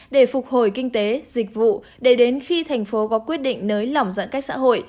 để phục hồi kinh tế dịch vụ để đến khi thành phố có quyết định nới lỏng giãn cách xã hội